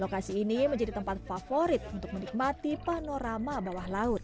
lokasi ini menjadi tempat favorit untuk menikmati panorama bawah laut